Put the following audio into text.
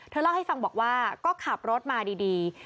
เล่าให้ฟังบอกว่าก็ขับรถมาดี